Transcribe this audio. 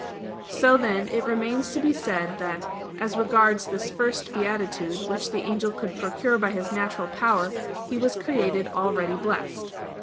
So, then, it remains to be said, that, as regards this first beatitude, which the angel could procure by his natural power, he was created already blessed.